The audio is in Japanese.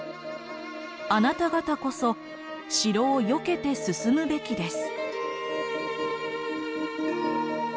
あなた方こそ城をよけて進むべきです」。